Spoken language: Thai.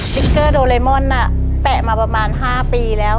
ติ๊กเกอร์โดเรมอนแปะมาประมาณ๕ปีแล้ว